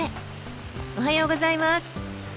おはようございます。